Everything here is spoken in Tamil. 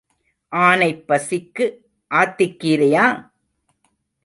ஆனைப் பசிக்கு ஆத்திக் கீரையா?